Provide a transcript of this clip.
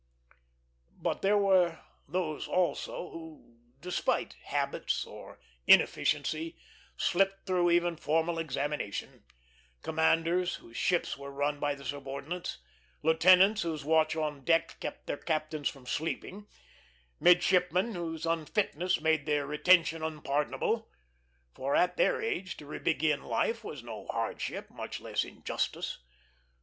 But there were those also who, despite habits or inefficiency, slipped through even formal examination; commanders whose ships were run by their subordinates, lieutenants whose watch on deck kept their captains from sleeping, midshipmen whose unfitness made their retention unpardonable; for at their age to re begin life was no hardship, much less injustice.